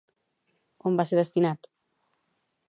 On va ser destinat?